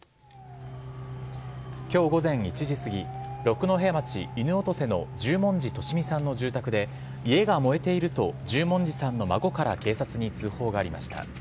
今日午前１時すぎ六戸町犬落瀬の十文字利美さんの住宅で家が燃えていると十文字さんの孫から警察に通報がありました。